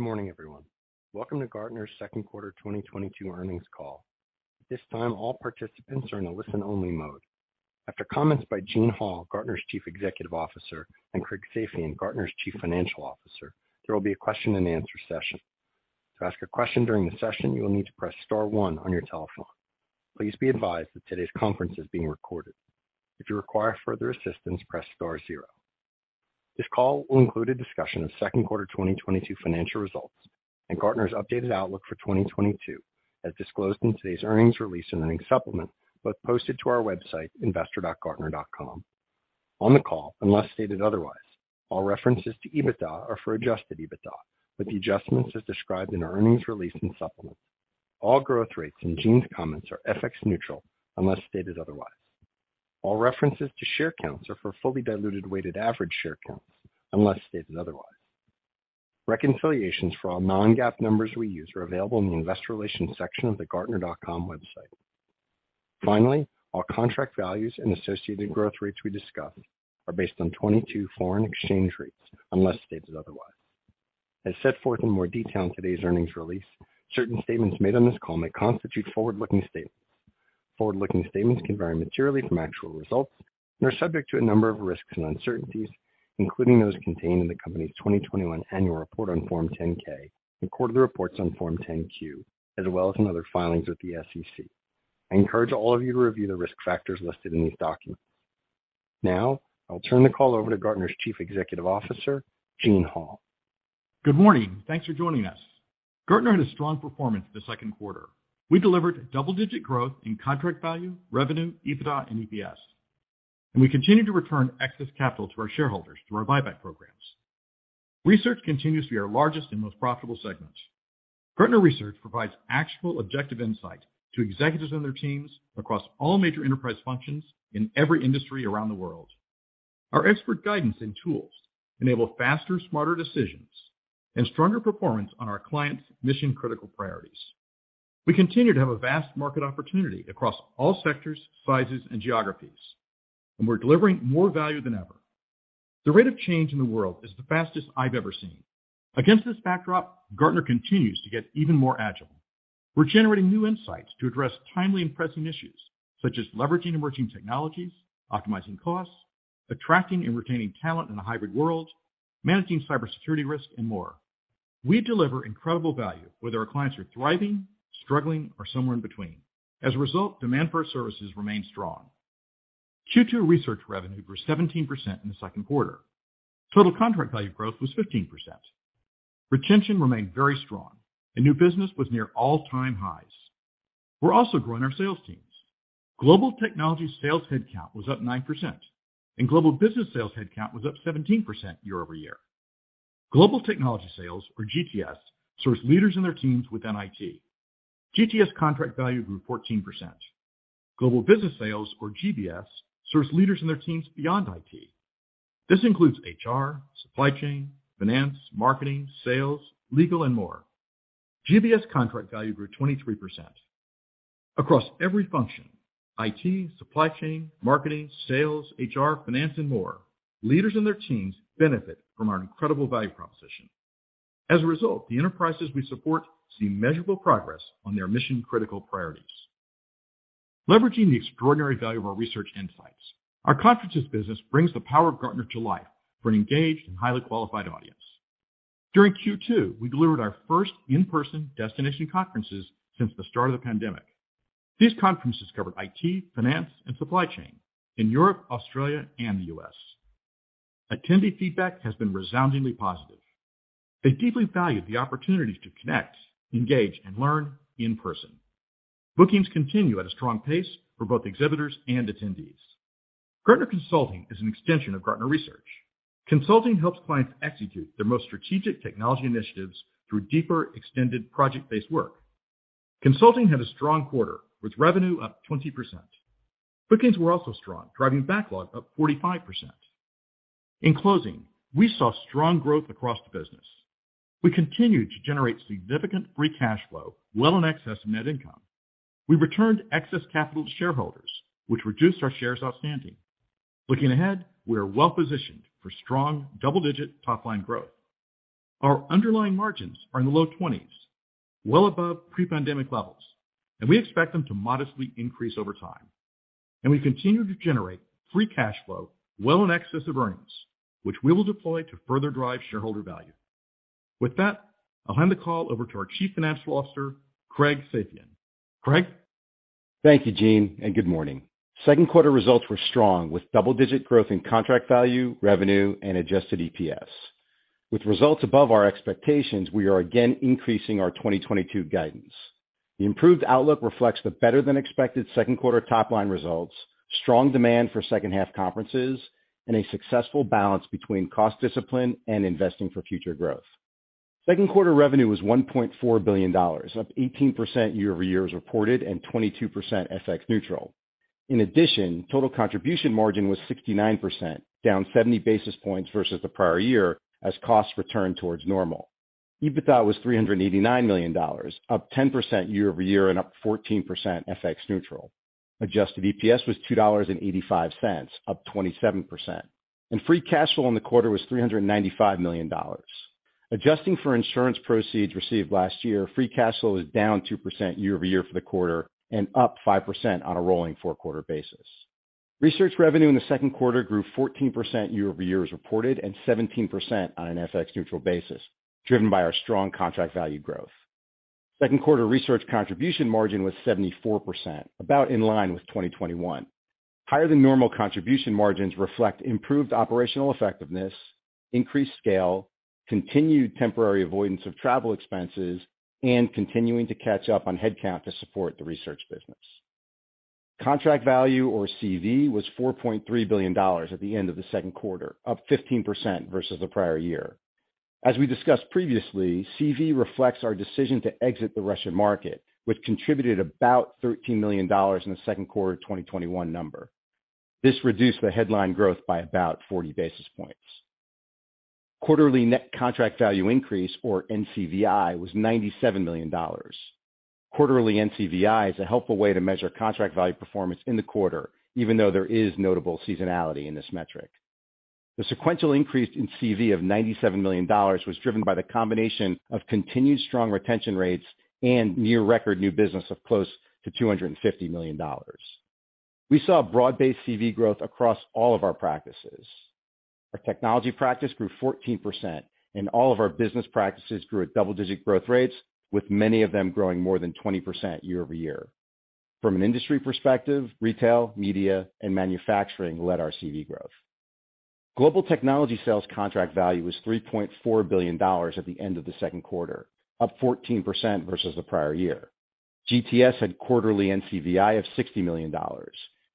Good morning everyone. Welcome to Gartner's second quarter 2022 earnings call. At this time, all participants are in a listen-only mode. After comments by Gene Hall, Gartner's Chief Executive Officer, and Craig Safian, Gartner's Chief Financial Officer, there will be a question-and-answer session. To ask a question during the session, you will need to press star one on your telephone. Please be advised that today's conference is being recorded. If you require further assistance, press star zero. This call will include a discussion of second quarter 2022 financial results and Gartner's updated outlook for 2022, as disclosed in today's earnings release and earnings supplement, both posted to our website, investor.gartner.com. On the call, unless stated otherwise, all references to EBITDA are for adjusted EBITDA, with the adjustments as described in our earnings release and supplement. All growth rates in Eugene's comments are FX neutral unless stated otherwise. All references to share counts are for fully diluted weighted average share counts unless stated otherwise. Reconciliations for all non-GAAP numbers we use are available in the investor relations section of the Gartner.com website. Finally, all contract values and associated growth rates we discuss are based on 22 foreign exchange rates unless stated otherwise. As set forth in more detail in today's earnings release, certain statements made on this call may constitute forward-looking statements. Forward-looking statements can vary materially from actual results and are subject to a number of risks and uncertainties, including those contained in the company's 2021 annual report on Form 10-K and quarterly reports on Form 10-Q, as well as in other filings with the SEC. I encourage all of you to review the risk factors listed in these documents. Now, I'll turn the call over to Gartner's Chief Executive Officer, Gene Hall. Good morning. Thanks for joining us. Gartner had a strong performance in the second quarter. We delivered double-digit growth in contract value, revenue, EBITDA, and EPS. We continue to return excess capital to our shareholders through our buyback programs. Research continues to be our largest and most profitable segment. Gartner Research provides actual objective insight to executives and their teams across all major enterprise functions in every industry around the world. Our expert guidance and tools enable faster, smarter decisions and stronger performance on our clients' mission-critical priorities. We continue to have a vast market opportunity across all sectors, sizes, and geographies, and we're delivering more value than ever. The rate of change in the world is the fastest I've ever seen. Against this backdrop, Gartner continues to get even more agile. We're generating new insights to address timely and pressing issues, such as leveraging emerging technologies, optimizing costs, attracting and retaining talent in a hybrid world, managing cybersecurity risk, and more. We deliver incredible value, whether our clients are thriving, struggling, or somewhere in between. As a result, demand for our services remains strong. Q2 research revenue grew 17% in the second quarter. Total contract value growth was 15%. Retention remained very strong, and new business was near all-time highs. We're also growing our sales teams. Global technology sales headcount was up 9%, and global business sales headcount was up 17% year-over-year. Global technology sales, or GTS, serves leaders and their teams within IT. GTS contract value grew 14%. Global business sales, or GBS, serves leaders and their teams beyond IT. This includes HR, supply chain, finance, marketing, sales, legal, and more. GBS contract value grew 23%. Across every function, IT, supply chain, marketing, sales, HR, finance, and more, leaders and their teams benefit from our incredible value proposition. As a result, the enterprises we support see measurable progress on their mission-critical priorities. Leveraging the extraordinary value of our research insights, our conferences business brings the power of Gartner to life for an engaged and highly qualified audience. During Q2, we delivered our first in-person destination conferences since the start of the pandemic. These conferences covered IT, finance, and supply chain in Europe, Australia, and the U.S. Attendee feedback has been resoundingly positive. They deeply value the opportunity to connect, engage, and learn in person. Bookings continue at a strong pace for both exhibitors and attendees. Gartner Consulting is an extension of Gartner Research. Consulting helps clients execute their most strategic technology initiatives through deeper extended project-based work. Consulting had a strong quarter with revenue up 20%. Bookings were also strong, driving backlog up 45%. In closing, we saw strong growth across the business. We continued to generate significant free cash flow well in excess of net income. We returned excess capital to shareholders, which reduced our shares outstanding. Looking ahead, we are well positioned for strong double-digit top-line growth. Our underlying margins are in the low 20s%, well above pre-pandemic levels, and we expect them to modestly increase over time. We continue to generate free cash flow well in excess of earnings, which we will deploy to further drive shareholder value. With that, I'll hand the call over to our Chief Financial Officer, Craig Safian. Craig? Thank you Gene Hall, and good morning. Second quarter results were strong, with double-digit growth in contract value, revenue, and adjusted EPS. With results above our expectations, we are again increasing our 2022 guidance. The improved outlook reflects the better-than-expected second quarter top-line results, strong demand for second-half conferences, and a successful balance between cost discipline and investing for future growth. Second quarter revenue was $1.4 billion, up 18% year-over-year as reported, and 22% FX neutral. In addition, total contribution margin was 69%, down 70 basis points versus the prior year as costs returned towards normal. EBITDA was $389 million, up 10% year-over-year and up 14% FX neutral. Adjusted EPS was $2.85, up 27%. Free cash flow in the quarter was $395 million. Adjusting for insurance proceeds received last year, free cash flow is down 2% year-over-year for the quarter and up 5% on a rolling four-quarter basis. Research revenue in the second quarter grew 14% year-over-year as reported, and 17% on an FX neutral basis, driven by our strong contract value growth. Second quarter research contribution margin was 74%, about in line with 2021. Higher than normal contribution margins reflect improved operational effectiveness, increased scale, continued temporary avoidance of travel expenses, and continuing to catch up on headcount to support the research business. Contract value, or CV, was $4.3 billion at the end of the second quarter, up 15% versus the prior year. As we discussed previously CV reflects our decision to exit the Russian market, which contributed about $13 million in the second quarter of 2021. This reduced the headline growth by about 40 basis points. Quarterly net contract value increase, or NCVI, was $97 million. Quarterly NCVI is a helpful way to measure contract value performance in the quarter, even though there is notable seasonality in this metric. The sequential increase in CV of $97 million was driven by the combination of continued strong retention rates and near record new business of close to $250 million. We saw broad-based CV growth across all of our practices. Our technology practice grew 14% and all of our business practices grew at double-digit growth rates, with many of them growing more than 20% year-over-year. From an industry perspective, retail, media and manufacturing led our CV growth. Global technology sales contract value was $3.4 billion at the end of the second quarter, up 14% versus the prior year. GTS had quarterly NCVI of $60 million,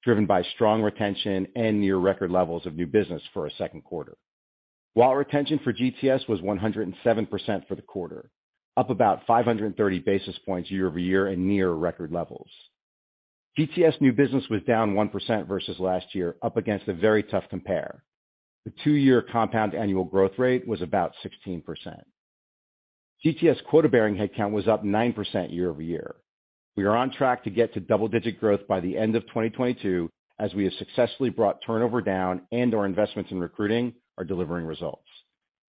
driven by strong retention and near record levels of new business for a second quarter. While retention for GTS was 107% for the quarter, up about 530 basis points year-over-year and near record levels. GTS new business was down 1% versus last year, up against a very tough compare. The two-year compound annual growth rate was about 16%. GTS quota-bearing headcount was up 9% year-over-year. We are on track to get to double-digit growth by the end of 2022, as we have successfully brought turnover down and our investments in recruiting are delivering results.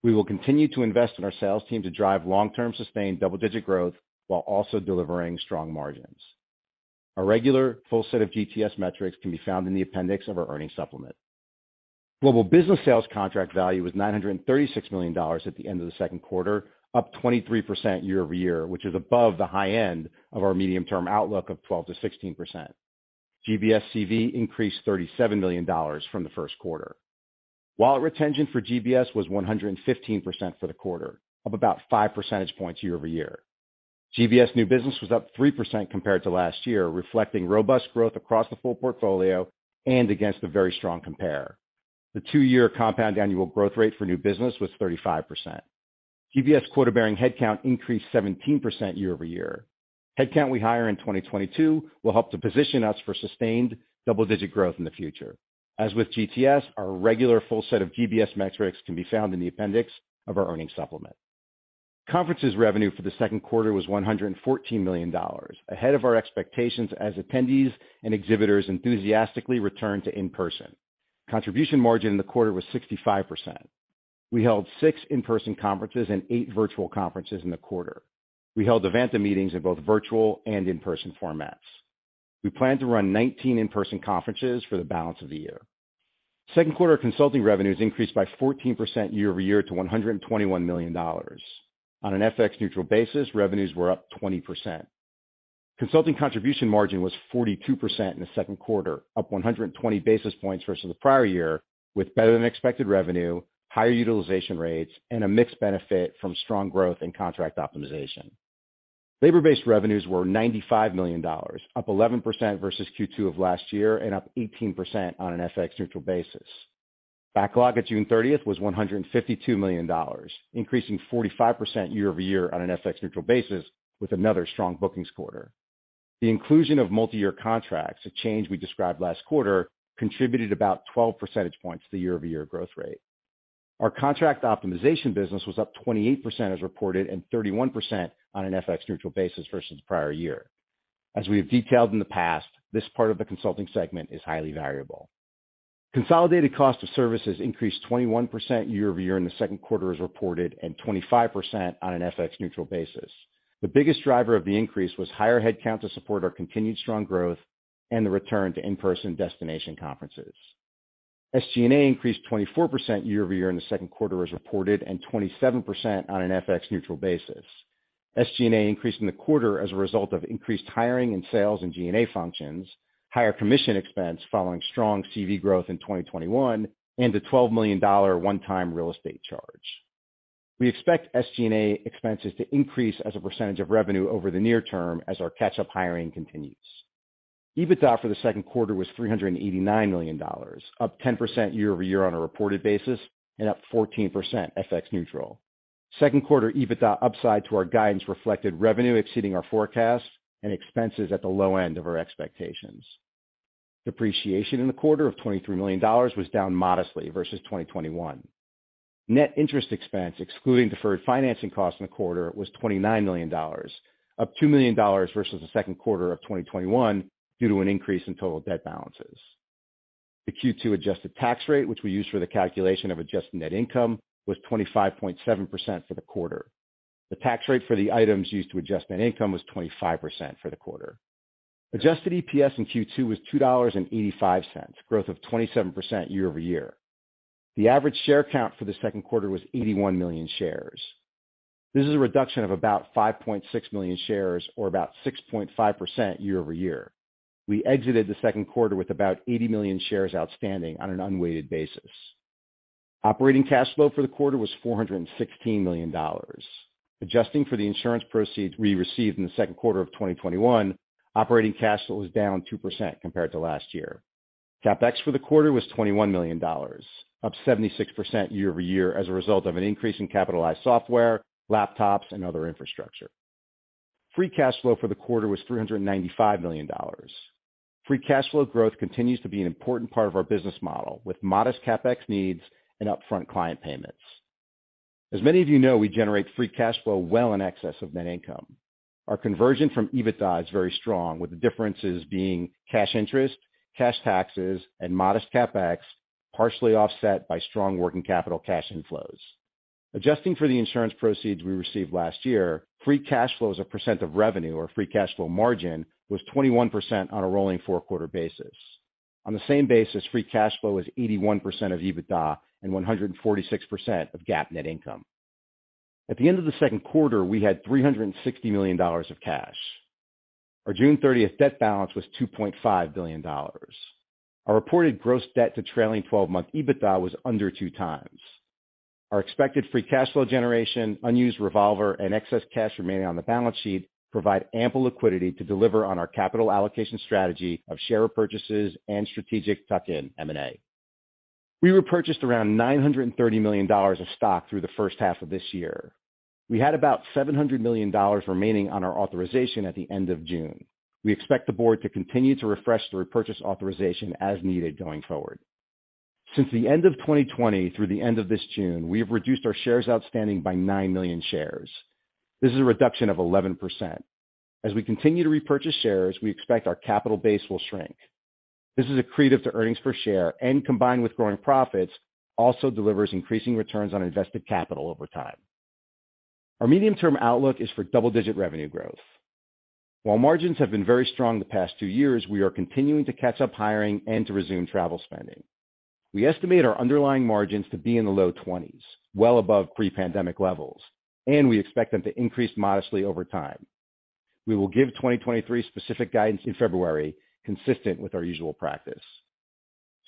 We will continue to invest in our sales team to drive long-term sustained double-digit growth while also delivering strong margins. A regular full set of GTS metrics can be found in the appendix of our earnings supplement. Global business sales contract value was $936 million at the end of the second quarter, up 23% year-over-year, which is above the high end of our medium-term outlook of 12%-16%. GBS CV increased $37 million from the first quarter. While retention for GBS was 115% for the quarter, up about 5 percentage points year-over-year. GBS new business was up 3% compared to last year, reflecting robust growth across the full portfolio and against a very strong compare. The two-year compound annual growth rate for new business was 35%. GBS quota-bearing headcount increased 17% year-over-year. Headcount we hire in 2022 will help to position us for sustained double-digit growth in the future. As with GTS, our regular full set of GBS metrics can be found in the appendix of our earnings supplement. Conferences revenue for the second quarter was $114 million, ahead of our expectations as attendees and exhibitors enthusiastically returned to in-person. Contribution margin in the quarter was 65%. We held six in-person conferences and eight virtual conferences in the quarter. We held event meetings in both virtual and in-person formats. We plan to run 19 in-person conferences for the balance of the year. Second quarter consulting revenues increased by 14% year-over-year to $121 million. On an FX neutral basis, revenues were up 20%. Consulting contribution margin was 42% in the second quarter, up 120 basis points versus the prior year, with better than expected revenue, higher utilization rates, and a mixed benefit from strong growth and contract optimization. Labor-based revenues were $95 million, up 11% versus Q2 of last year and up 18% on an FX neutral basis. Backlog at June 30 was $152 million, increasing 45% year-over-year on an FX neutral basis with another strong bookings quarter. The inclusion of multi-year contracts a change we described last quarter, contributed about 12 percentage points to the year-over-year growth rate. Our contract optimization business was up 28% as reported, and 31% on an FX neutral basis versus prior year. As we have detailed in the past, this part of the consulting segment is highly variable. Consolidated cost of services increased 21% year over year in the second quarter as reported, and 25% on an FX neutral basis. The biggest driver of the increase was higher headcount to support our continued strong growth and the return to in-person destination conferences. SG&A increased 24% year over year in the second quarter as reported, and 27% on an FX neutral basis. SG&A increased in the quarter as a result of increased hiring in sales and G&A functions, higher commission expense following strong CV growth in 2021, and a $12 million one-time real estate charge. We expect SG&A expenses to increase as a percentage of revenue over the near term as our catch-up hiring continues. EBITDA for the second quarter was $389 million, up 10% year over year on a reported basis and up 14% FX neutral. Second quarter EBITDA upside to our guidance reflected revenue exceeding our forecast and expenses at the low end of our expectations. Depreciation in the quarter of $23 million was down modestly versus 2021. Net interest expense, excluding deferred financing costs in the quarter, was $29 million, up $2 million versus the second quarter of 2021 due to an increase in total debt balances. The Q2 adjusted tax rate which we use for the calculation of adjusted net income, was 25.7% for the quarter. The tax rate for the items used to adjust net income was 25% for the quarter. Adjusted EPS in Q2 was $2.85, growth of 27% year-over-year. The average share count for the second quarter was 81 million shares. This is a reduction of about 5.6 million shares or about 6.5% year-over-year. We exited the second quarter with about 80 million shares outstanding on an unweighted basis. Operating cash flow for the quarter was $416 million. Adjusting for the insurance proceeds we received in the second quarter of 2021, operating cash flow was down 2% compared to last year. CapEx for the quarter was $21 million up 76% year-over-year as a result of an increase in capitalized software, laptops, and other infrastructure. Free cash flow for the quarter was $395 million. Free cash flow growth continues to be an important part of our business model, with modest CapEx needs and upfront client payments. As many of you know, we generate free cash flow well in excess of net income. Our conversion from EBITDA is very strong, with the differences being cash interest, cash taxes, and modest CapEx, partially offset by strong working capital cash inflows. Adjusting for the insurance proceeds we received last year, free cash flow as a percent of revenue or free cash flow margin was 21% on a rolling four-quarter basis. On the same basis free cash flow was 81% of EBITDA and 146% of GAAP net income. At the end of the second quarter, we had $360 million of cash. Our June 30 debt balance was $2.5 billion. Our reported gross debt to trailing twelve-month EBITDA was under 2x. Our expected free cash flow generation, unused revolver, and excess cash remaining on the balance sheet provide ample liquidity to deliver on our capital allocation strategy of share repurchases and strategic tuck-in M&A. We repurchased around $930 million of stock through the first half of this year. We had about $700 million remaining on our authorization at the end of June. We expect the board to continue to refresh the repurchase authorization as needed going forward. Since the end of 2020 through the end of this June, we have reduced our shares outstanding by 9 million shares. This is a reduction of 11%. As we continue to repurchase shares, we expect our capital base will shrink. This is accretive to earnings per share, and combined with growing profits, also delivers increasing returns on invested capital over time. Our medium-term outlook is for double-digit revenue growth. While margins have been very strong the past two years, we are continuing to catch up hiring and to resume travel spending. We estimate our underlying margins to be in the low 20s, well above pre-pandemic levels, and we expect them to increase modestly over time. We will give 2023 specific guidance in February, consistent with our usual practice.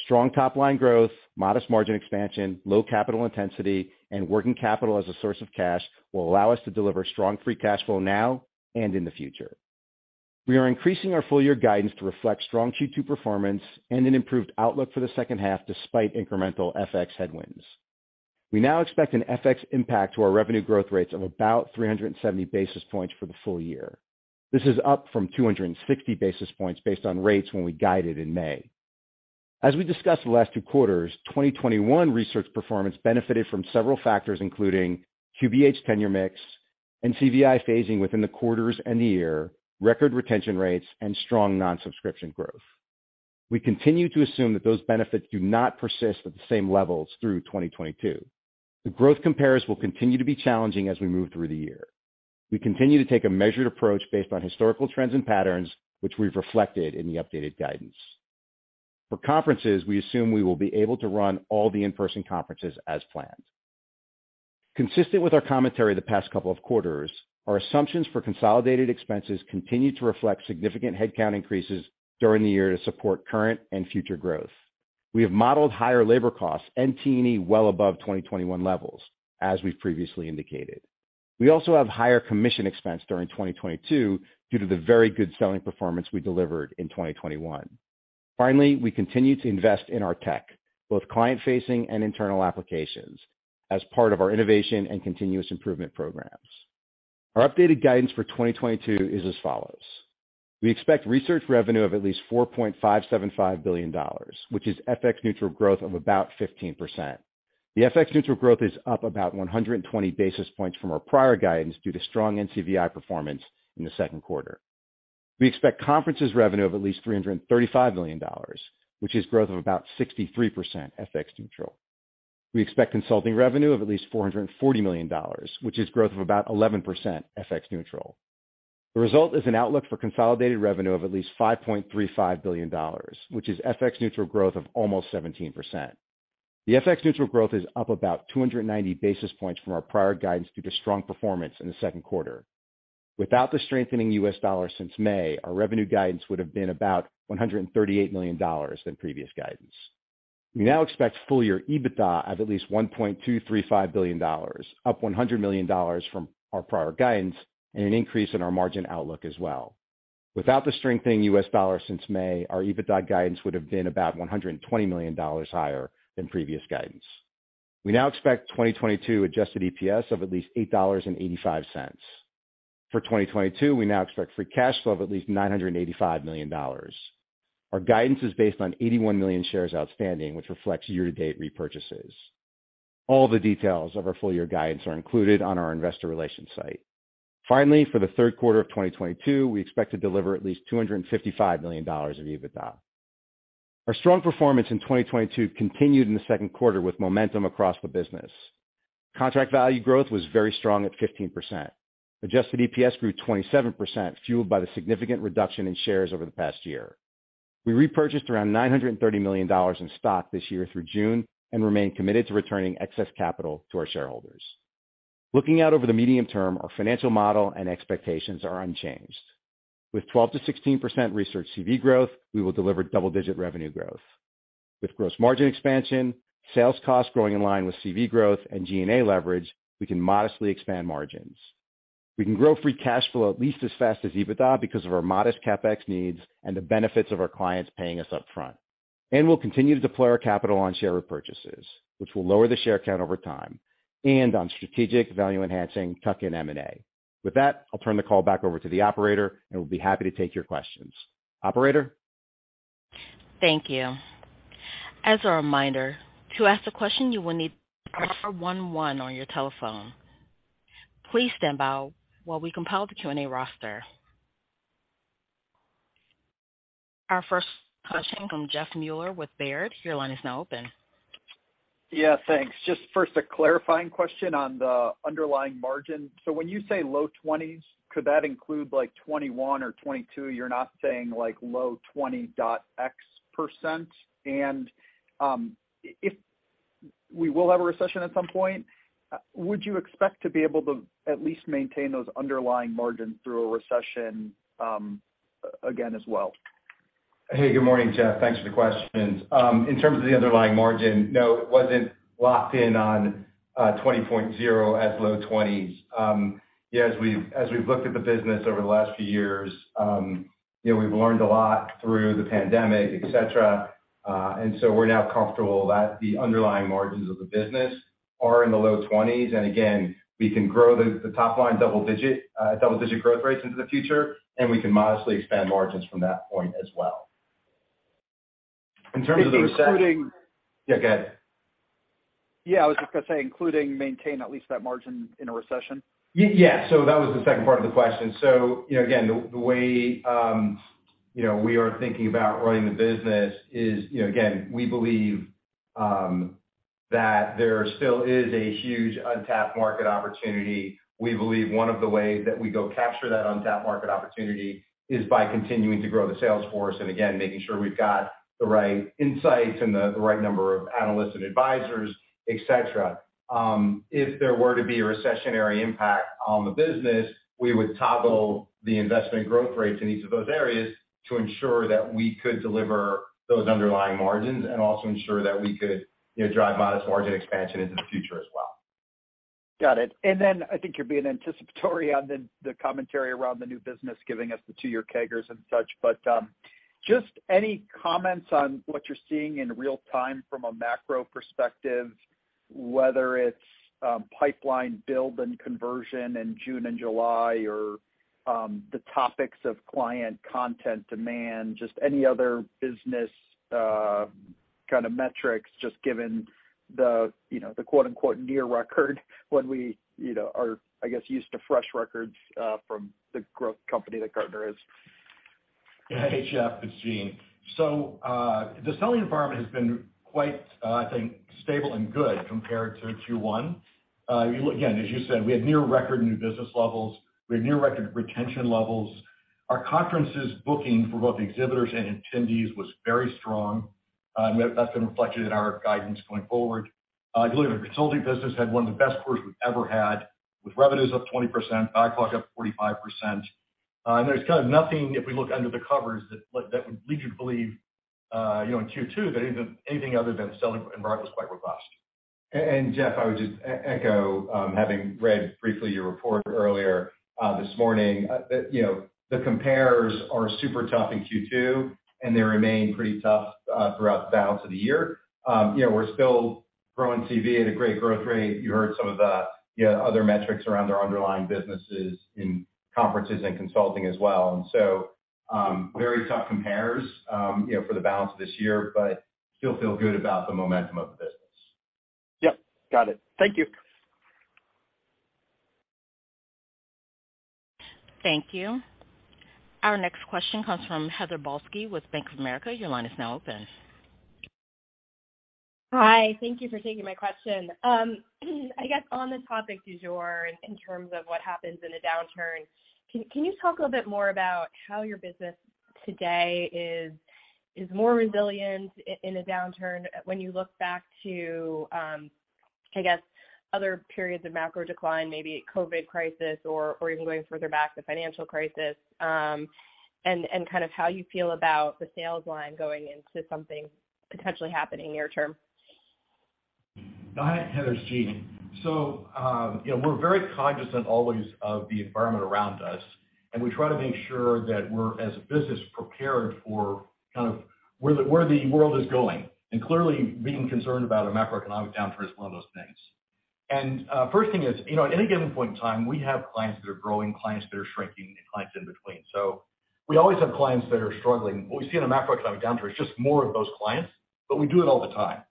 Strong top-line growth modest margin expansion, low capital intensity, and working capital as a source of cash will allow us to deliver strong free cash flow now and in the future. We are increasing our full year guidance to reflect strong Q2 performance and an improved outlook for the second half despite incremental FX headwinds. We now expect an FX impact to our revenue growth rates of about 370 basis points for the full year. This is up from 260 basis points based on rates when we guided in May. As we discussed the last two quarters, 2021 research performance benefited from several factors, including QBH tenure mix, NCVI phasing within the quarters and the year, record retention rates, and strong non-subscription growth. We continue to assume that those benefits do not persist at the same levels through 2022. The growth compares will continue to be challenging as we move through the year. We continue to take a measured approach based on historical trends and patterns, which we've reflected in the updated guidance. For conferences, we assume we will be able to run all the in-person conferences as planned. Consistent with our commentary the past couple of quarters, our assumptions for consolidated expenses continue to reflect significant headcount increases during the year to support current and future growth. We have modeled higher labor costs and T&E well above 2021 levels, as we've previously indicated. We also have higher commission expense during 2022 due to the very good selling performance we delivered in 2021. Finally, we continue to invest in our tech, both client-facing and internal applications, as part of our innovation and continuous improvement programs. Our updated guidance for 2022 is as follows. We expect research revenue of at least $4.575 billion which is FX neutral growth of about 15%. The FX neutral growth is up about 120 basis points from our prior guidance due to strong NCVI performance in the second quarter. We expect conferences revenue of at least $335 million, which is growth of about 63% FX neutral. We expect consulting revenue of at least $440 million, which is growth of about 11% FX neutral. The result is an outlook for consolidated revenue of at least $5.35 billion, which is FX neutral growth of almost 17%. The FX neutral growth is up about 290 basis points from our prior guidance due to strong performance in the second quarter. Without the strengthening US dollar since May, our revenue guidance would have been about $138 million than previous guidance. We now expect full-year EBITDA at least $1.235 billion, up $100 million from our prior guidance, and an increase in our margin outlook as well. Without the strengthening US dollar since May, our EBITDA guidance would have been about $120 million higher than previous guidance. We now expect 2022 adjusted EPS of at least $8.85. For 2022, we now expect free cash flow of at least $985 million. Our guidance is based on 81 million shares outstanding, which reflects year-to-date repurchases. All the details of our full-year guidance are included on our investor relations site. Finally for the third quarter of 2022, we expect to deliver at least $255 million of EBITDA. Our strong performance in 2022 continued in the second quarter with momentum across the business. Contract value growth was very strong at 15%. Adjusted EPS grew 27%, fueled by the significant reduction in shares over the past year. We repurchased around $930 million in stock this year through June and remain committed to returning excess capital to our shareholders. Looking out over the medium term, our financial model and expectations are unchanged. With 12%-16% research CV growth, we will deliver double-digit revenue growth. With gross margin expansion, sales costs growing in line with CV growth and G&A leverage, we can modestly expand margins. We can grow free cash flow at least as fast as EBITDA because of our modest CapEx needs and the benefits of our clients paying us up front. We'll continue to deploy our capital on share repurchases, which will lower the share count over time and on strategic value-enhancing tuck-in M&A. With that, I'll turn the call back over to the Operator, and we'll be happy to take your questions. Operator? Thank you. As a reminder to ask a question, you will need to press star one one on your telephone. Please stand by while we compile the Q&A roster. Our first question from Jeffrey Meuler with Baird. Your line is now open. Yeah thanks. Just first a clarifying question on the underlying margin. When you say low 20s, could that include like 21 or 22? You're not saying like low 20.x%? If we will have a recession at some point, would you expect to be able to at least maintain those underlying margins through a recession, again as well? Hey good morning Jeff. Thanks for the questions. In terms of the underlying margin, no, it wasn't locked in on 20.0% as low 20s%. Yeah, as we've looked at the business over the last few years, you know, we've learned a lot through the pandemic, etc. We're now comfortable that the underlying margins of the business are in the low 20s%. We can grow the top line double-digit growth rates into the future, and we can modestly expand margins from that point as well. In terms of the reset- Including- Yeah go ahead. Yeah I was just gonna say, including maintain at least that margin in a recession. Yes. That was the second part of the question. You know, again, the way you know we are thinking about running the business is, you know, again, we believe that there still is a huge untapped market opportunity. We believe one of the ways that we go capture that untapped market opportunity is by continuing to grow the sales force and again, making sure we've got the right insights and the right number of analysts and advisors, etc. If there were to be a recessionary impact on the business, we would toggle the investment growth rates in each of those areas to ensure that we could deliver those underlying margins and also ensure that we could, you know, drive modest margin expansion into the future as well. Got it. Then I think you're being anticipatory on the commentary around the new business, giving us the two-year CAGRs and such. Just any comments on what you're seeing in real time from a macro perspective, whether it's pipeline build and conversion in June and July or the topics of client content demand, just any other business kind of metrics, just given the you know the quote-unquote near record when we you know are I guess used to fresh records from the growth company that Gartner is. Yeah. Hey Jeff, it's Gene. The selling environment has been quite, I think, stable and good compared to Q1. If you look again, as you said, we have near record new business levels. We have near record retention levels. Our conferences booking for both exhibitors and attendees was very strong. That's been reflected in our guidance going forward. I believe our consulting business had one of the best quarters we've ever had with revenues up 20%, backlog up 45%. There's kind of nothing, if we look under the covers, that would lead you to believe, you know, in Q2 that anything other than the selling environment was quite robust. Jeff I would just echo, having read briefly your report earlier, this morning, that, you know, the comps are super tough in Q2, and they remain pretty tough, throughout the balance of the year. You know, we're still growing CV at a great growth rate. You heard some of the, you know, other metrics around our underlying businesses in conferences and consulting as well. Very tough comps, you know, for the balance of this year, but still feel good about the momentum of the business. Yep. Got it. Thank you. Thank you. Our next question comes from Heather Balsky with Bank of America. Your line is now open. Hi. Thank you for taking my question. I guess on the topic du jour in terms of what happens in a downturn, can you talk a little bit more about how your business today is more resilient in a downturn when you look back to, I guess other periods of macro decline, maybe COVID crisis or even going further back, the financial crisis, and kind of how you feel about the sales line going into something potentially happening near term? Hi Heather, it's Gene. You know, we're very cognizant always of the environment around us. We try to make sure that we're, as a business, prepared for kind of where the world is going. Clearly being concerned about a macroeconomic downturn is one of those things. First thing is, you know, at any given point in time, we have clients that are growing, clients that are shrinking, and clients in between. We always have clients that are struggling. What we see in a macroeconomic downturn is just more of those clients, but we do it all the time.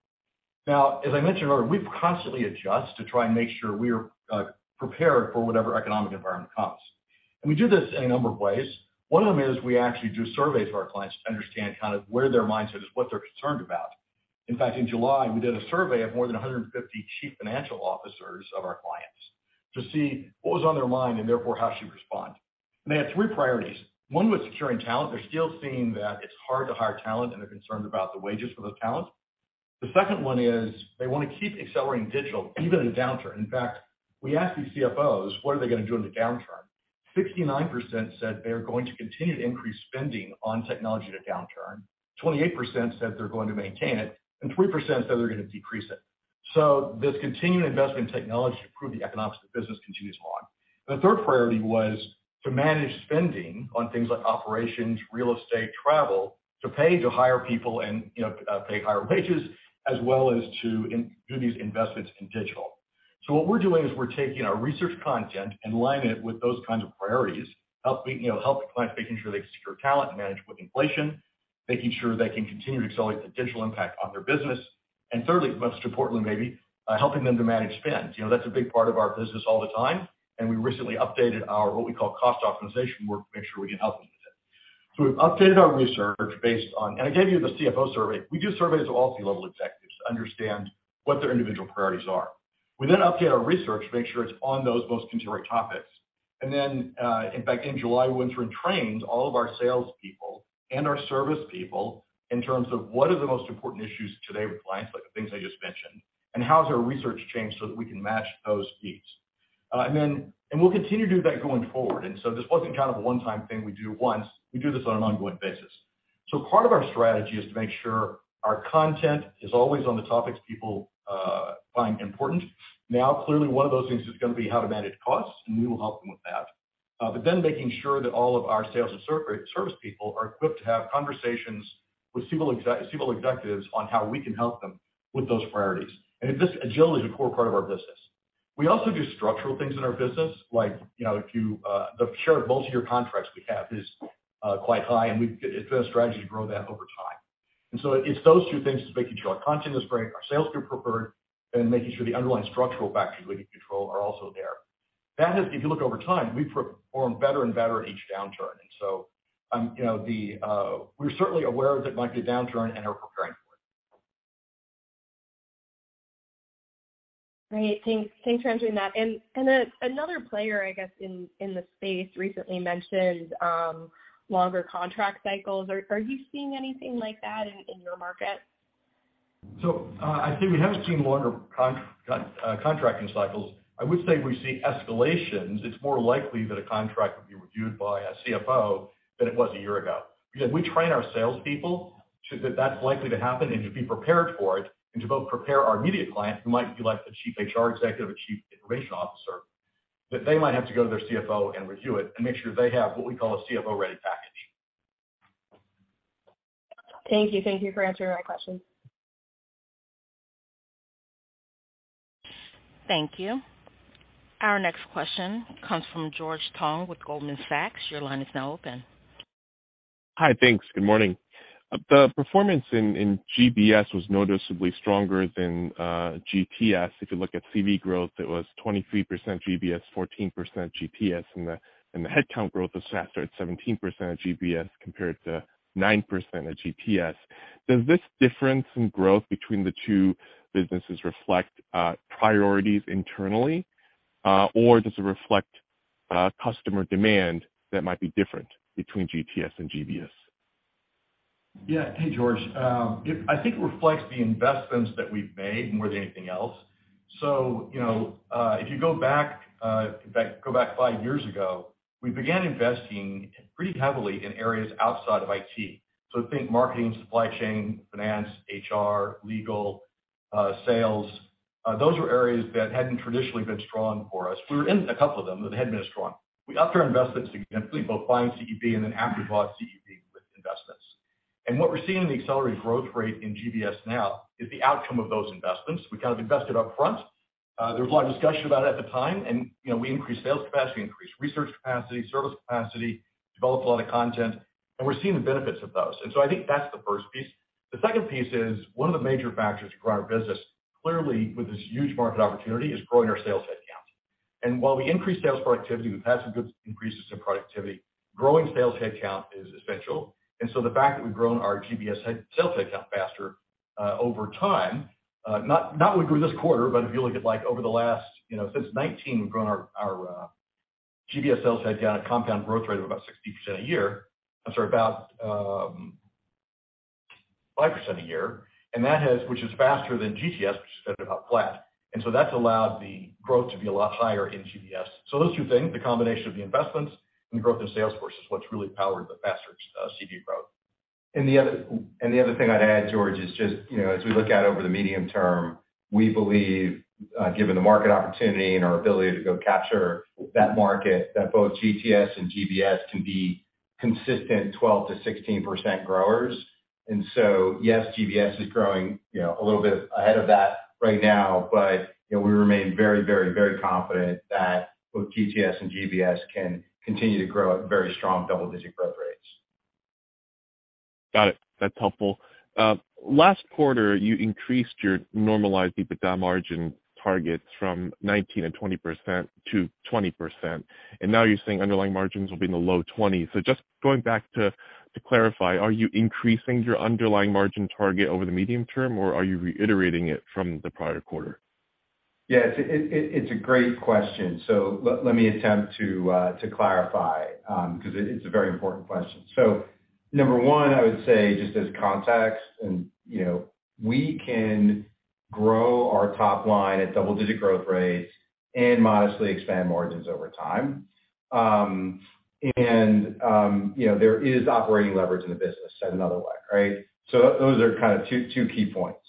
Now, as I mentioned earlier, we constantly adjust to try and make sure we are prepared for whatever economic environment comes. We do this in a number of ways. One of them is we actually do surveys of our clients to understand kind of where their mindset is, what they're concerned about. In fact, in July, we did a survey of more than 150 chief financial officers of our clients to see what was on their mind and therefore how should we respond. They had three priorities. One was securing talent. They're still seeing that it's hard to hire talent, and they're concerned about the wages for those talent. The second one is they wanna keep accelerating digital even in a downturn. In fact, we asked these CFOs, what are they gonna do in the downturn? 69% said they're going to continue to increase spending on technology in a downturn. 28% said they're going to maintain it, and 3% said they're gonna decrease it. This continued investment in technology to improve the economics of the business continues on. The third priority was to manage spending on things like operations, real estate, travel, to pay to hire people and pay higher wages, as well as to do these investments in digital. What we're doing is we're taking our research content and aligning it with those kinds of priorities, helping help the clients making sure they secure talent and manage with inflation, making sure they can continue to accelerate the digital impact on their business. Thirdly, but most importantly maybe, helping them to manage spend. That's a big part of our business all the time, and we recently updated our what we call cost optimization work to make sure we can help them with it. We've updated our research based on. I gave you the CFO survey. We do surveys of all C-level executives to understand what their individual priorities are. We then update our research to make sure it's on those most contemporary topics. In fact, in July, we went through and trained all of our salespeople and our service people in terms of what are the most important issues today with clients, like the things I just mentioned, and how has our research changed so that we can match those needs. We'll continue to do that going forward. This wasn't kind of a one-time thing we do once. We do this on an ongoing basis. Part of our strategy is to make sure our content is always on the topics people find important. Now clearly one of those things is gonna be how to manage costs, and we will help them with that. Then making sure that all of our sales and service people are equipped to have conversations with C-level executives on how we can help them with those priorities. This agility is a core part of our business. We also do structural things in our business like, you know, if you, the share of multiyear contracts we have is quite high, and it's been a strategy to grow that over time. It's those two things, it's making sure our content is great, our sales group preferred, and making sure the underlying structural factors we can control are also there. That has, if you look over time, we've performed better and better each downturn. You know, we're certainly aware there might be a downturn and are preparing for it. Great. Thanks. Thanks for answering that. Another player, I guess, in the space recently mentioned longer contract cycles. Are you seeing anything like that in your market? I'd say we haven't seen longer contracting cycles. I would say we see escalations. It's more likely that a contract would be reviewed by a CFO than it was a year ago. Because we train our salespeople so that that's likely to happen and to be prepared for it and to both prepare our immediate client, who might be like the chief HR executive or chief information officer, that they might have to go to their CFO and review it and make sure they have what we call a CFO-ready package. Thank you. Thank you for answering my questions. Thank you. Our next question comes from George Tong with Goldman Sachs. Your line is now open. Hi. Thanks. Good morning. The performance in GBS was noticeably stronger than GTS. If you look at CV growth, it was 23% GBS, 14% GTS, and the headcount growth was faster at 17% at GBS compared to 9% at GTS. Does this difference in growth between the two businesses reflect priorities internally, or does it reflect customer demand that might be different between GTS and GBS? Yeah. Hey George. I think it reflects the investments that we've made more than anything else. You know, if you go back, in fact, go back five years ago, we began investing pretty heavily in areas outside of IT. Think marketing, supply chain, finance, HR, legal, sales. Those were areas that hadn't traditionally been strong for us. We were in a couple of them, but they hadn't been as strong. We upped our investments significantly, both buying CEB and then after we bought CEB with investments. What we're seeing in the accelerated growth rate in GBS now is the outcome of those investments. We kind of invested up front. There was a lot of discussion about it at the time and, you know, we increased sales capacity, increased research capacity, service capacity, developed a lot of content, and we're seeing the benefits of those. I think that's the first piece. The second piece is one of the major factors to grow our business, clearly with this huge market opportunity, is growing our sales headcount. While we increase sales productivity, we've had some good increases in productivity, growing sales headcount is essential. The fact that we've grown our GBS sales headcount faster, over time, not when we do this quarter, but if you look at, like, over the last, you know, since 2019, we've grown our GBS sales headcount at compound growth rate of about 60% a year. I'm sorry, about 5% a year. Which is faster than GTS, which has been about flat. That's allowed the growth to be a lot higher in GBS. Those two things, the combination of the investments and the growth in sales force is what's really powered the faster CV growth. The other thing I'd add George, is just, you know, as we look out over the medium term, we believe, given the market opportunity and our ability to go capture that market, that both GTS and GBS can be consistent 12%-16% growers. Yes, GBS is growing, you know, a little bit ahead of that right now, but, you know, we remain very confident that both GTS and GBS can continue to grow at very strong double-digit growth rates. Got it. That's helpful. Last quarter you increased your normalized EBITDA margin targets from 19 and 20% to 20%, and now you're saying underlying margins will be in the low 20s. Just going back to clarify, are you increasing your underlying margin target over the medium term, or are you reiterating it from the prior quarter? Yes. It's a great question. Let me attempt to clarify, 'cause it's a very important question. Number one, I would say just as context and, you know, we can grow our top line at double-digit growth rates and modestly expand margins over time. You know, there is operating leverage in the business, said another way, right? Those are kind of two key points.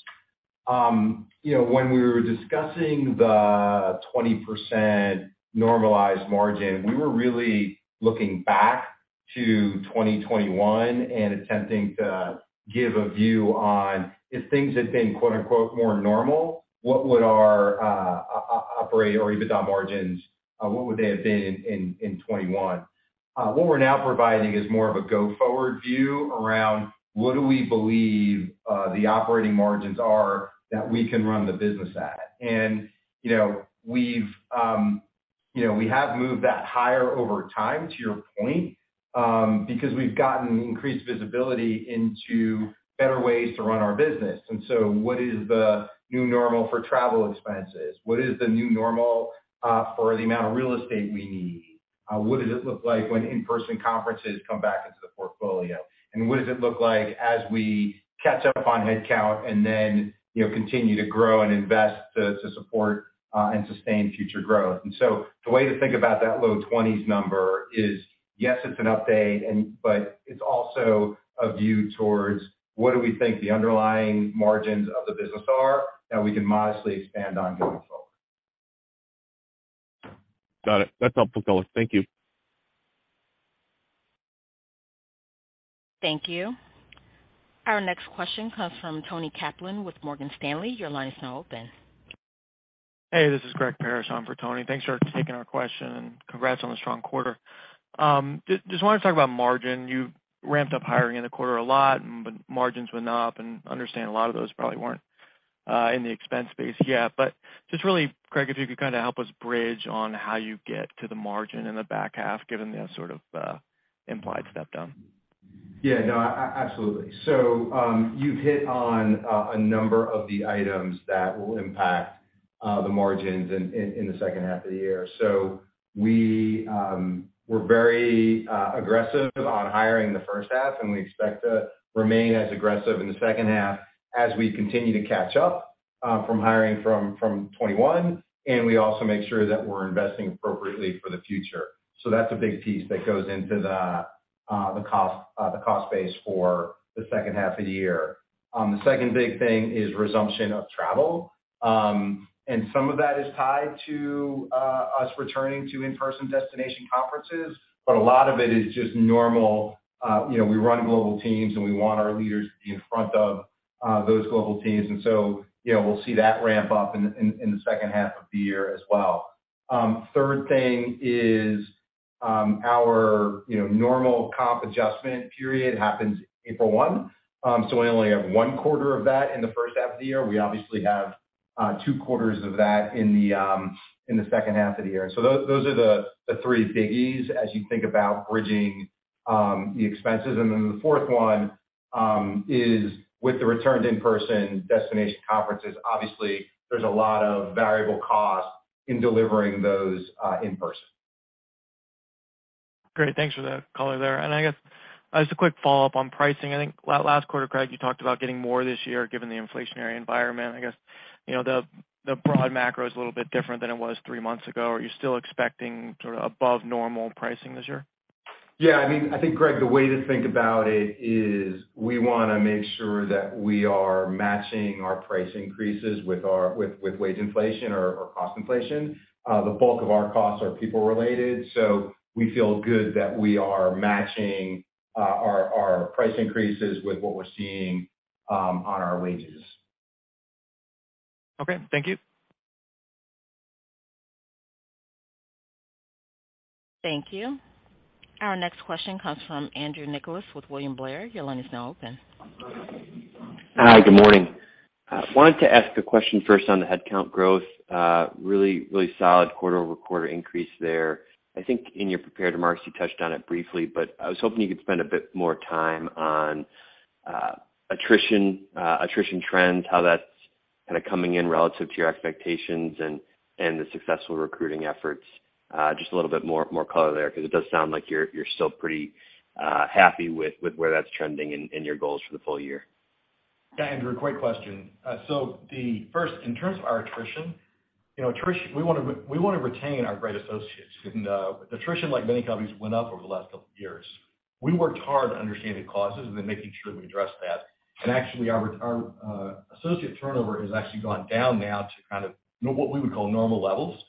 You know, when we were discussing the 20% normalized margin, we were really looking back to 2021 and attempting to give a view on if things had been, quote-unquote, more normal, what would our operating or EBITDA margins, what would they have been in 2021. What we're now providing is more of a go-forward view around what do we believe the operating margins are that we can run the business at. You know, we've, you know, we have moved that higher over time, to your point, because we've gotten increased visibility into better ways to run our business. What is the new normal for travel expenses? What is the new normal for the amount of real estate we need? What does it look like when in-person conferences come back into the portfolio? What does it look like as we catch up on headcount and then, you know, continue to grow and invest to support and sustain future growth? The way to think about that low-20s% number is, yes, it's an update and, but it's also a view towards what do we think the underlying margins of the business are that we can modestly expand on going forward. Got it. That's helpful Craig Safian. Thank you. Thank you. Our next question comes from Toni Kaplan with Morgan Stanley. Your line is now open. Hey this is Greg Parrish on for Toni. Thanks for taking our question and congrats on the strong quarter. Just wanted to talk about margin. You ramped up hiring in the quarter a lot, but margins went up, and understand a lot of those probably weren't in the expense base yet. Just really, Craig Safian, if you could kind of help us bridge on how you get to the margin in the back half, given the sort of implied step down. Yeah no absolutely. You've hit on a number of the items that will impact the margins in the second half of the year. We were very aggressive on hiring in the first half, and we expect to remain as aggressive in the second half as we continue to catch up from hiring from 2021, and we also make sure that we're investing appropriately for the future. That's a big piece that goes into the cost base for the second half of the year. The second big thing is resumption of travel. Some of that is tied to us returning to in-person destination conferences, but a lot of it is just normal. You know we run global teams, and we want our leaders to be in front of those global teams. You know, we'll see that ramp up in the second half of the year as well. Third thing is our normal comp adjustment period happens April 1, so we only have one quarter of that in the first half of the year. We obviously have two quarters of that in the second half of the year. Those are the three biggies as you think about bridging the expenses. The fourth one is with the return to in-person destination conferences. Obviously there's a lot of variable costs in delivering those in person. Great. Thanks for the color there. I guess just a quick follow-up on pricing. I think last quarter, Craig, you talked about getting more this year given the inflationary environment. I guess, you know, the broad macro is a little bit different than it was three months ago. Are you still expecting sort of above normal pricing this year? Yeah. I mean Greg the way to think about it is we wanna make sure that we are matching our price increases with wage inflation or cost inflation. The bulk of our costs are people related, so we feel good that we are matching our price increases with what we're seeing on our wages. Okay. Thank you. Thank you. Our next question comes from Andrew Nicholas with William Blair. Your line is now open. Hi. Good morning. Wanted to ask a question first on the headcount growth. Really solid quarter-over-quarter increase there. I think in your prepared remarks, you touched on it briefly, but I was hoping you could spend a bit more time on attrition trends, how that's kind of coming in relative to your expectations and the successful recruiting efforts. Just a little bit more color there 'cause it does sound like you're still pretty happy with where that's trending in your goals for the full year. Yeah Andrew quick question. So first, in terms of our attrition, we wanna retain our great associates. Attrition, like many companies, went up over the last couple years. We worked hard to understand the causes and then making sure we addressed that. Actually, our associate turnover has actually gone down now to kind of what we would call normal levels.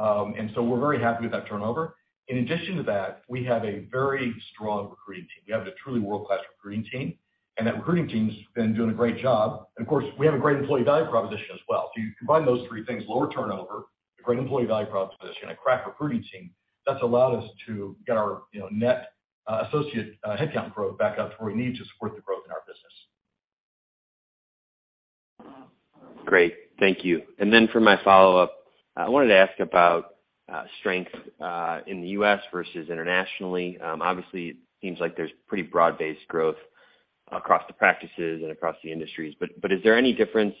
We're very happy with that turnover. In addition to that, we have a very strong recruiting team. We have a truly world-class recruiting team, and that recruiting team's been doing a great job. Of course, we have a great employee value proposition as well. You combine those three things, lower turnover, a great employee value proposition, a crack recruiting team, that's allowed us to get our, you know, net, associate, headcount growth back up to where we need to support the growth in our business. Great. Thank you. For my follow-up, I wanted to ask about strength in the U.S. versus internationally. Obviously it seems like there's pretty broad-based growth across the practices and across the industries. Is there any difference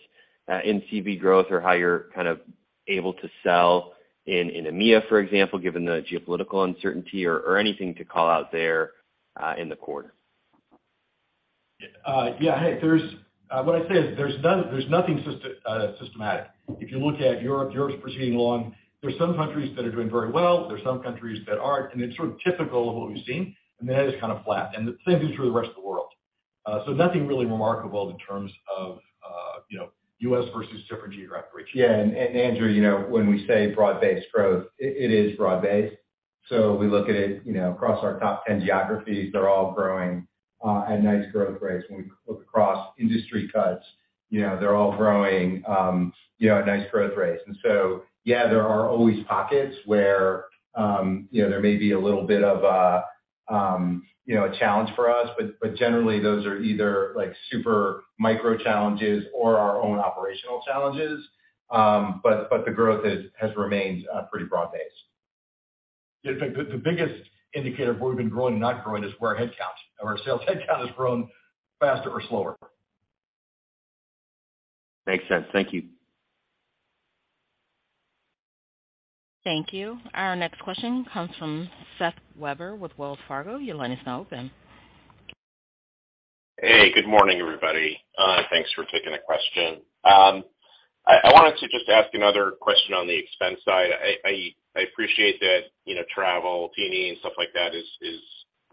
in CV growth or how you're kind of able to sell in EMEA, for example, given the geopolitical uncertainty or anything to call out there in the quarter? Yeah. Hey what I'd say is there's nothing systematic. If you look at Europe's proceeding along. There's some countries that are doing very well, there's some countries that aren't, and it's sort of typical of what we've seen, and then it is kind of flat. And the same thing is true for the rest of the world. Nothing really remarkable in terms of, you know, US versus different geographic regions. Yeah. Andrew you know when we say broad-based growth, it is broad-based. We look at it, you know, across our top ten geographies. They're all growing at nice growth rates. When we look across industry cuts, you know, they're all growing, you know, at nice growth rates. Yeah, there are always pockets where, you know, there may be a little bit of a, you know, a challenge for us, but generally those are either like super micro challenges or our own operational challenges. But the growth has remained pretty broad-based. Yeah. The biggest indicator of where we've been growing and not growing is where headcount or our sales headcount has grown faster or slower. Makes sense. Thank you. Thank you. Our next question comes from Seth Weber with Wells Fargo. Your line is now open. Hey good morning everybody. Thanks for taking the question. I wanted to just ask another question on the expense side. I appreciate that, you know, travel, T&E and stuff like that is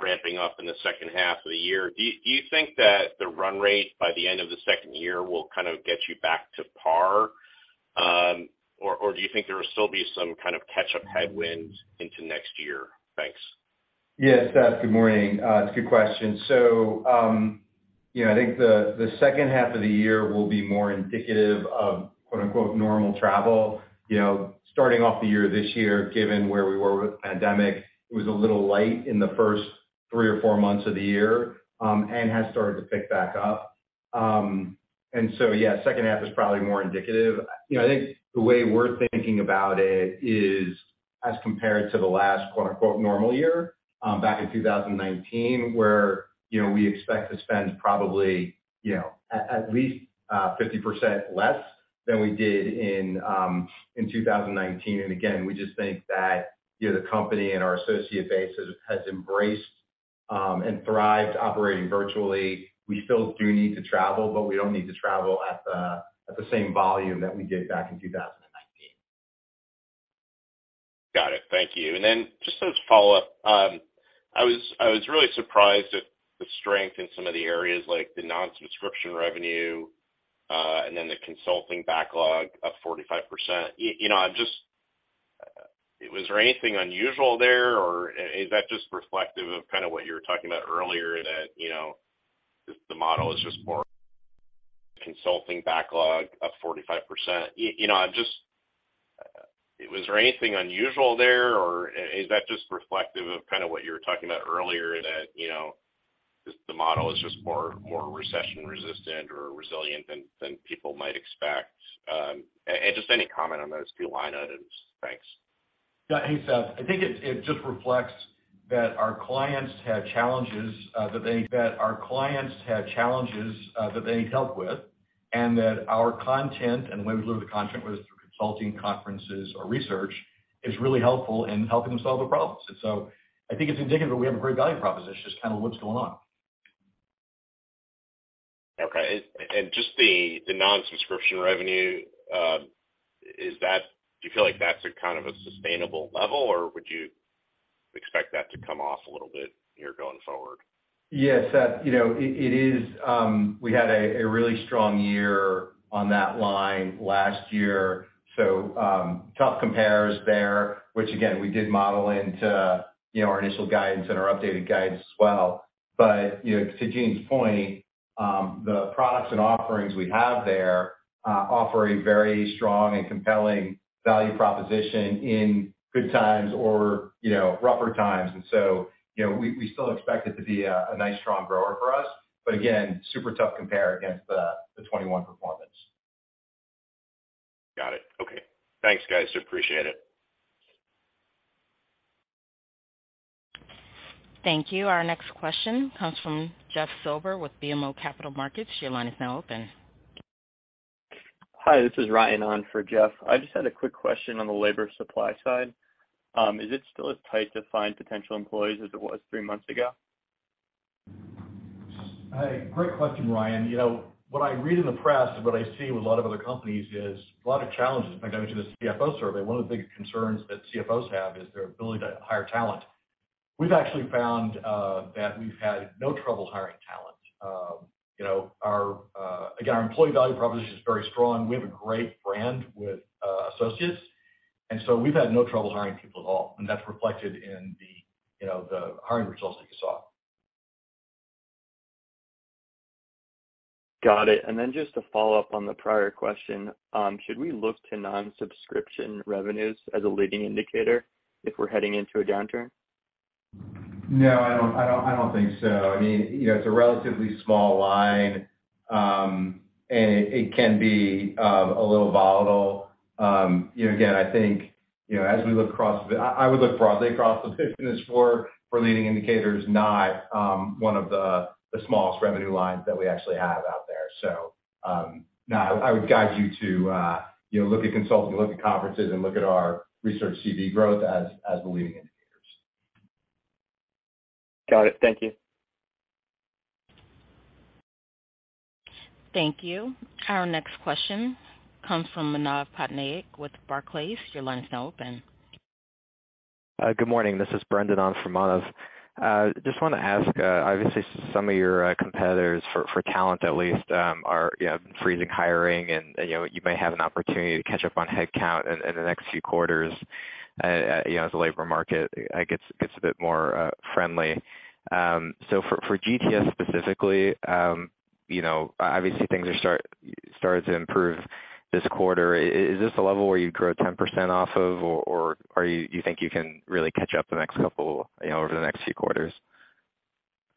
ramping up in the second half of the year. Do you think that the run rate by the end of the second year will kind of get you back to par? Or do you think there will still be some kind of catch-up headwind into next year? Thanks. Yeah. Seth good morning. It's a good question. You know, I think the second half of the year will be more indicative of quote-unquote normal travel. You know, starting off the year this year, given where we were with the pandemic, it was a little light in the first three or four months of the year, and has started to pick back up. Yeah, second half is probably more indicative. You know, I think the way we're thinking about it is as compared to the last quote-unquote normal year, back in 2019, where you know, we expect to spend probably, you know, at least 50% less than we did in 2019. Again we just think that you know, the company and our associate base has embraced and thrived operating virtually. We still do need to travel, but we don't need to travel at the same volume that we did back in 2019. Got it. Thank you. Just a follow-up, I was really surprised at the strength in some of the areas like the non-subscription revenue, and then the consulting backlog up 45%. You know, was there anything unusual there or is that just reflective of kinda what you were talking about earlier that, you know, just the model is just more recession resistant or resilient than people might expect? And just any comment on those two line items. Thanks. Yeah. Hey Seth. I think it just reflects that our clients had challenges that they need help with, and that our content and the way we deliver the content, whether it's through consulting, conferences or research, is really helpful in helping them solve their problems. I think it's indicative that we have a great value proposition, just kind of what's going on. Okay. Just the non-subscription revenue, do you feel like that's a kind of sustainable level, or would you expect that to come off a little bit here going forward? Yeah. Seth you know it is. We had a really strong year on that line last year, so tough compares there, which again, we did model into, you know, our initial guidance and our updated guidance as well. You know, to Gene's point, the products and offerings we have there offer a very strong and compelling value proposition in good times or, you know, rougher times. You know, we still expect it to be a nice strong grower for us. Again, super tough compare against the 2021 performance. Got it. Okay. Thanks guys. Appreciate it. Thank you. Our next question comes from Jeff Silber with BMO Capital Markets. Your line is now open. Hi, this is Ryan on for Jeff. I just had a quick question on the labor supply side. Is it still as tight to find potential employees as it was three months ago? Hey great question Ryan. You know, what I read in the press and what I see with a lot of other companies is a lot of challenges. If I go to the CFO survey, one of the biggest concerns that CFOs have is their ability to hire talent. We've actually found that we've had no trouble hiring talent. You know, again, our employee value proposition is very strong. We have a great brand with associates, and so we've had no trouble hiring people at all, and that's reflected in, you know, the hiring results that you saw. Got it. Just to follow up on the prior question, should we look to non-subscription revenues as a leading indicator if we're heading into a downturn? No I don't think so. I mean you know, it's a relatively small line, and it can be a little volatile. You know, again, I think, you know, as we look across the business, I would look broadly across the business for leading indicators, not one of the smallest revenue lines that we actually have out there. So, no, I would guide you to you know, look at consulting, look at conferences, and look at our research CV growth as the leading indicators. Got it. Thank you. Thank you. Our next question comes from Manav Patnaik with Barclays. Your line is now open. Good morning. This is Brendan on for Manav. Just wanna ask, obviously some of your competitors for talent at least, you know, are freezing hiring and, you know, you may have an opportunity to catch up on headcount in the next few quarters, you know, as the labor market gets a bit more friendly. For GTS specifically, you know, obviously things are started to improve this quarter. Is this a level where you grow 10% off of or are you do you think you can really catch up the next couple, you know, over the next few quarters?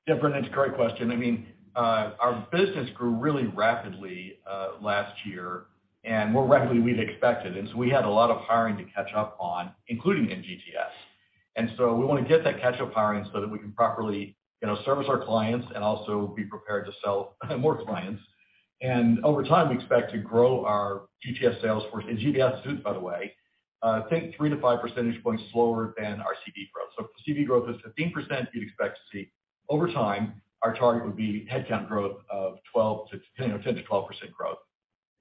Yeah Brendan it's a great question. I mean, our business grew really rapidly last year and more rapidly we'd expected, and so we had a lot of hiring to catch up on, including in GTS. We wanna get that catch-up hiring so that we can properly, you know, service our clients and also be prepared to sell more clients. Over time, we expect to grow our GTS sales force and GBS too, by the way, I think 3-5 percentage points slower than our CV growth. If the CV growth is 15%, you'd expect to see over time, our target would be headcount growth of 12%-10% or 10%-12% growth.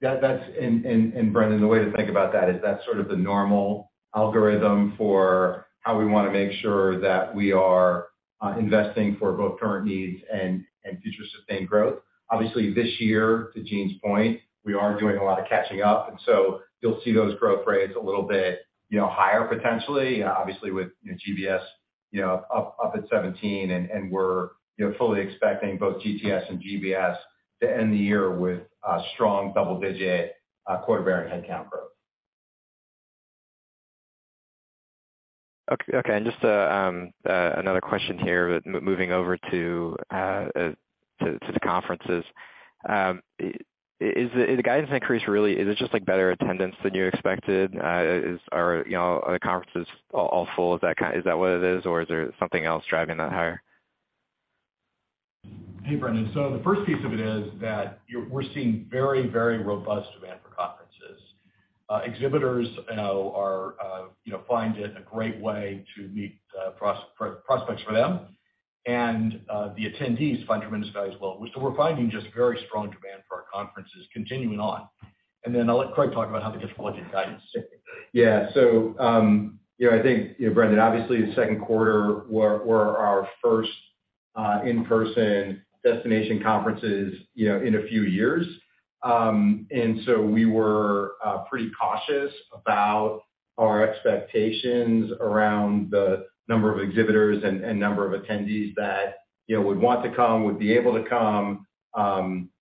Yeah that's Brendan the way to think about that is that's sort of the normal algorithm for how we wanna make sure that we are investing for both current needs and future sustained growth. Obviously, this year, to Gene's point, we are doing a lot of catching up, and so you'll see those growth rates a little bit, you know, higher potentially, obviously with GBS, you know, up at 17%, and we're, you know, fully expecting both GTS and GBS to end the year with a strong double-digit quarter-by-quarter headcount growth. Okay. Just another question here, but moving over to the conferences. Is the guidance increase really just like better attendance than you expected? You know, are the conferences all full? Is that what it is? Or is there something else driving that higher? Hey Brendan. The first piece of it is that we're seeing very, very robust demand for conferences. Exhibitors, you know, are finding it a great way to meet prospects for them, and the attendees find tremendous value as well. We're finding just very strong demand for our conferences continuing on. I'll let Craig Safian talk about the difficult guidance. Yeah. You know, I think you know, Brendan, obviously the second quarter were our first in-person destination conferences, you know, in a few years. We were pretty cautious about our expectations around the number of exhibitors and number of attendees that, you know, would want to come, would be able to come.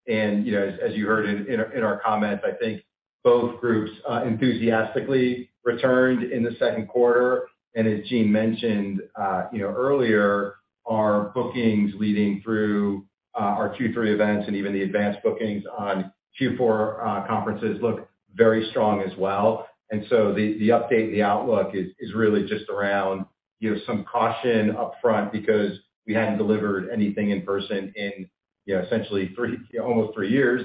You know, as you heard in our comments, I think both groups enthusiastically returned in the second quarter. As Gene mentioned, you know, earlier, our bookings leading through our Q3 events and even the advanced bookings on Q4 conferences look very strong as well. The update and the outlook is really just around, you know, some caution up front because we hadn't delivered anything in person in, you know, essentially three, you know, almost three years.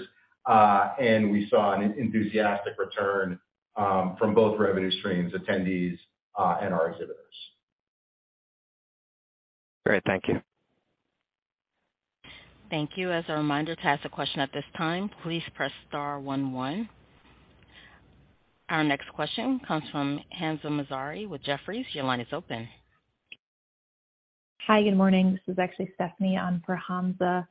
We saw an enthusiastic return from both revenue streams, attendees, and our exhibitors. Great. Thank you. Thank you. As a reminder to ask a question at this time, please press star one one. Our next question comes from Hamzah Mazari with Jefferies. Your line is open. Hi good morning. This is actually Stephanie on for Hamzah.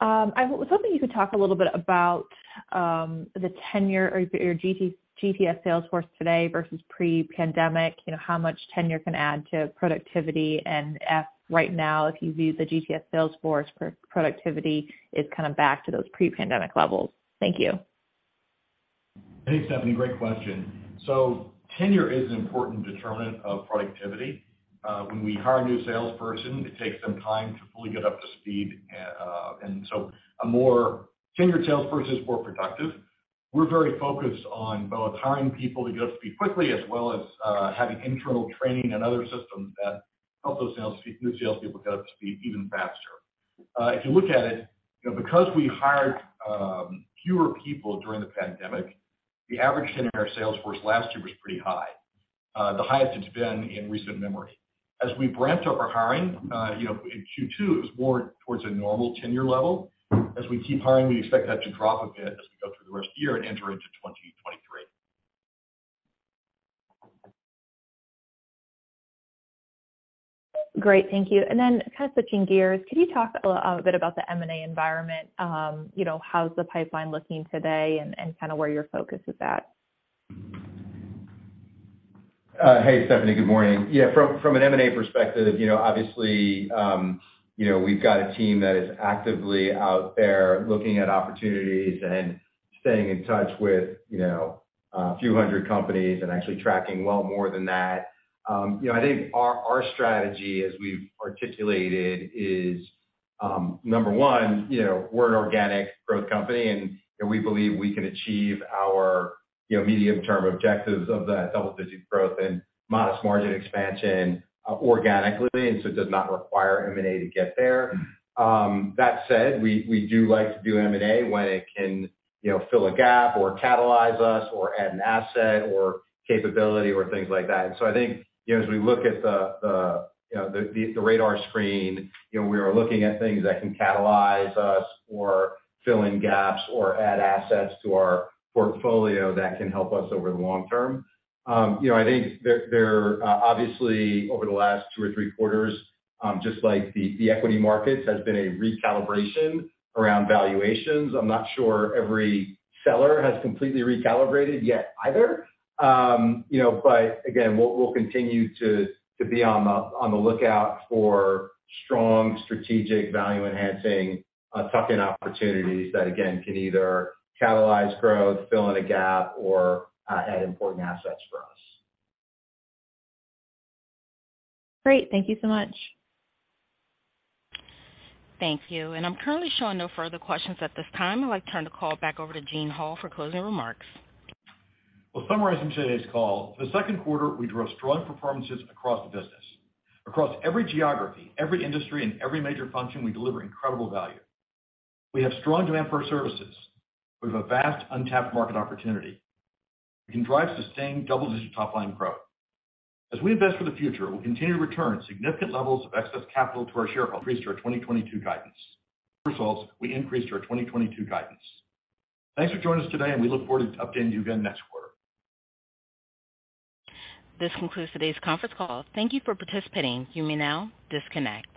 I was hoping you could talk a little bit about the tenure of your GTS sales force today versus pre-pandemic, you know, how much tenure can add to productivity, and if right now, if you view the GTS sales force productivity is kind of back to those pre-pandemic levels. Thank you. Hey Stephanie great question. Tenure is an important determinant of productivity. When we hire a new salesperson, it takes some time to fully get up to speed. A more tenured salesperson is more productive. We're very focused on both hiring people to get up to speed quickly as well as having internal training and other systems that help those sales people, new salespeople get up to speed even faster. If you look at it, you know, because we hired fewer people during the pandemic, the average tenure of our sales force last year was pretty high, the highest it's been in recent memory. As we ramped up our hiring, you know, in Q2, it was more towards a normal tenure level. As we keep hiring we expect that to drop a bit as we go through the rest of the year and enter into 2023. Great. Thank you. Kind of switching gears, could you talk a little bit about the M&A environment? You know, how's the pipeline looking today and kinda where your focus is at? Hey Stephanie. Good morning. Yeah, from an M&A perspective, you know, obviously, you know, we've got a team that is actively out there looking at opportunities and staying in touch with, you know, a few hundred companies and actually tracking well more than that. You know, I think our strategy as we've articulated is, number one, you know, we're an organic growth company, and we believe we can achieve our, you know, medium-term objectives of that double-digit growth and modest margin expansion, organically, and so it does not require M&A to get there. That said, we do like to do M&A when it can, you know, fill a gap or catalyze us or add an asset or capability or things like that. I think you know, as we look at the radar screen, you know, we are looking at things that can catalyze us or fill in gaps or add assets to our portfolio that can help us over the long term. I think there obviously, over the last two or three quarters, just like the equity markets, has been a recalibration around valuations. I'm not sure every seller has completely recalibrated yet either. You know, we'll continue to be on the lookout for strong strategic value-enhancing tuck-in opportunities that, again, can either catalyze growth, fill in a gap, or add important assets for us. Great. Thank you so much. Thank you. I'm currently showing no further questions at this time. I'd like to turn the call back over to Gene Hall for closing remarks. Well summarizing today's call the second quarter we drove strong performances across the business. Across every geography, every industry, and every major function, we deliver incredible value. We have strong demand for our services. We have a vast untapped market opportunity. We can drive sustained double-digit top line growth. As we invest for the future, we'll continue to return significant levels of excess capital to our shareholders. Increased our 2022 guidance. Results, we increased our 2022 guidance. Thanks for joining us today, and we look forward to updating you again next quarter. This concludes today's conference call. Thank you for participating. You may now disconnect.